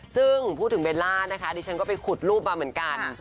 ซึ่งพูดถึงเบลล่านะคะดิฉันก็ไปขุดรูปมาเหมือนกัน